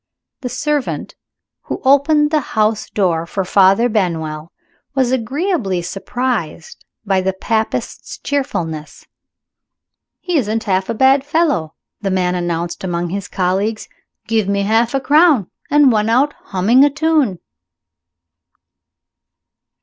The servant who opened the house door for Father Benwell was agreeably surprised by the Papist's cheerfulness. "He isn't half a bad fellow," the man announced among his colleagues. "Give me half a crown, and went out humming a tune."